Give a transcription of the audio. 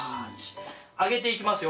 上げていきますよ。